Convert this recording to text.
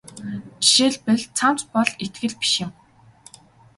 Жишээлбэл цамц бол итгэл биш юм.